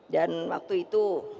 dan waktu itu